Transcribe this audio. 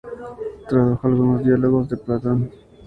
Tradujo algunos diálogos de Platón.